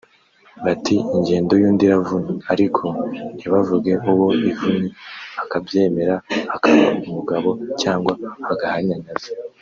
bati “Ingendo y’undi iravuna” ariko ntibavuge uwo ivunye akabyemera akaba umugabo cyangwa agahanyanyaza